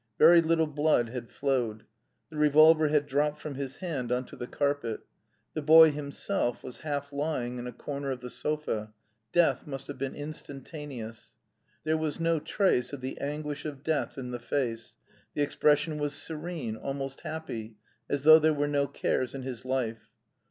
Very little blood had flowed. The revolver had dropped from his hand on to the carpet. The boy himself was half lying in a corner of the sofa. Death must have been instantaneous. There was no trace of the anguish of death in the face; the expression was serene, almost happy, as though there were no cares in his life.